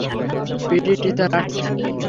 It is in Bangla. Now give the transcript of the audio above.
পিটি টিচার আসছেন!